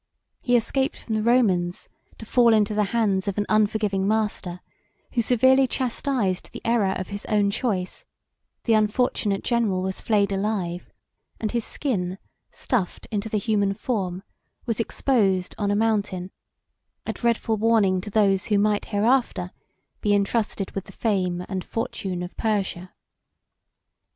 He escaped from the Romans to fall into the hands of an unforgiving master who severely chastised the error of his own choice: the unfortunate general was flayed alive, and his skin, stuffed into the human form, was exposed on a mountain; a dreadful warning to those who might hereafter be intrusted with the fame and fortune of Persia.